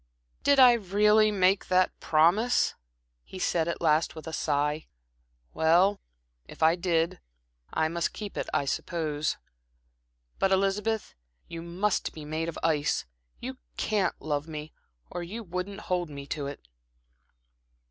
"Did I really make that promise?" he said at last with a sigh. "Well, if I did, I must keep it, I suppose. But, Elizabeth, you must be made of ice you can't love me, or you wouldn't hold me to it."